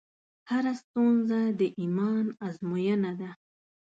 هره ستونزه د ایمان ازموینه ده.